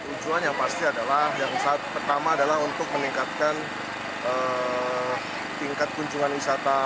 tujuan yang pasti adalah yang pertama adalah untuk meningkatkan tingkat kunjungan wisatawan